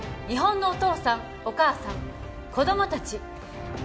「日本のお父さんお母さん子供たち」